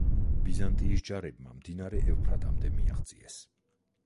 ბიზანტიის ჯარებმა მდინარე ევფრატამდე მიაღწიეს.